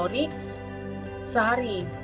jadi itu setelah itu